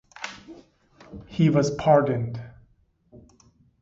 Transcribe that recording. He was pardoned.